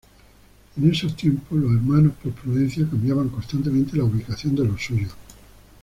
En esos tiempos, los Hermanos, por prudencia, cambiaban constantemente la ubicación de los suyos.